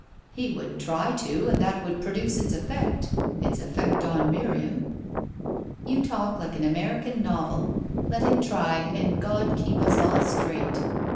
"He would try to, and that would produce its effect its effect on Miriam." "You talk like an American novel. Let him try, and God keep us all straight."